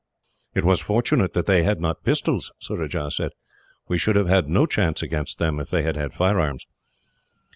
"It was fortunate that they had not pistols," Surajah said. "We should have had no chance against them, if they had had firearms."